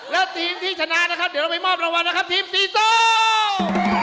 แล้วทีมที่ชนะนะครับเดี๋ยวเราไปมอบรางวัลนะครับทีมสีส้ม